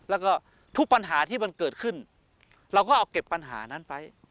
แล้วก็ทุกปัญหาที่มันเกิดขึ้นเราก็เอาเก็บปัญหานั้นไว้